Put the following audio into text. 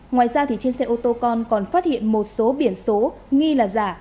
ngoài ra trên xe ô tô con còn phát hiện một số biển số nghi là giả